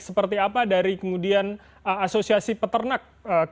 seperti apa dari kemudian asosiasi peternak